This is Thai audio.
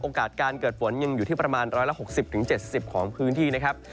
การเกิดฝนยังอยู่ที่ประมาณ๑๖๐๗๐ของพื้นที่นะครับ